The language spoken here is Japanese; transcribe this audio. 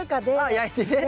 焼いてね。